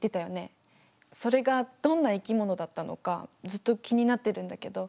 それがどんな生き物だったのかずっと気になってるんだけど。